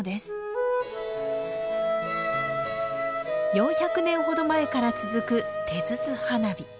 ４００年ほど前から続く手筒花火。